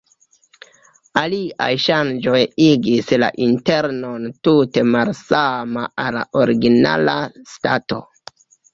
Aliaj ŝanĝoj igis la internon tute malsama al la originala stato.